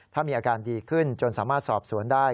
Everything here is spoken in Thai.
ถ้ามีอาการดีขึ้นจนสามารถสอบสวนได้